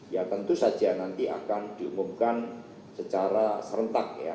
ya tentu saja nanti akan diumumkan secara serentak ya